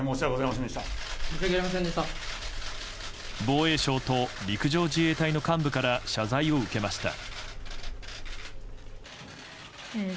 防衛省と陸上自衛隊の幹部から謝罪を受けました。